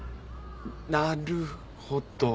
なるほど。